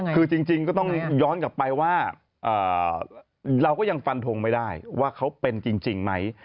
คือจริงก็ต้องย้อนกลับไปว่าเราก็ยังฟันทงไม่ได้ว่าเขาเป็นจริงไหม